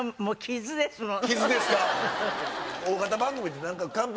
傷ですか。